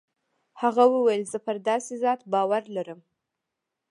هغه وويل زه پر داسې ذات باور لرم.